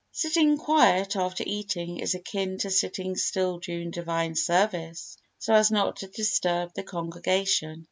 Sitting quiet after eating is akin to sitting still during divine service so as not to disturb the congregation.